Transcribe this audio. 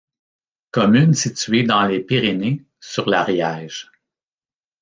Commune située dans les Pyrénées sur l'Ariège.